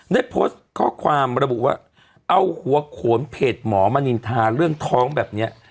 ได้โพสต์ข้อความระบุว่าเอาหัวโขนเพจหมอมณินทาเรื่องท้องแบบนี้